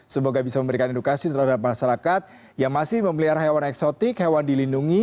semoga bisa memberikan edukasi terhadap masyarakat yang masih memelihara hewan eksotik hewan dilindungi